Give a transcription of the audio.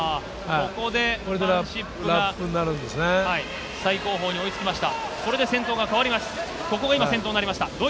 ここでファンシップが最後方に追いつきました。